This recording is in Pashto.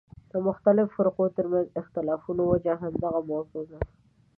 د مختلفو فرقو ترمنځ اختلافونو وجه همدغه موضوع ده.